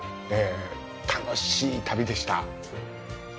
楽しい旅でした。